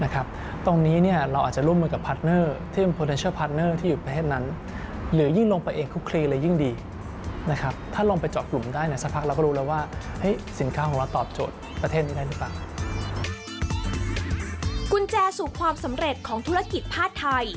กุญแจสู่ความสำเร็จของธุรกิจผ้าไทย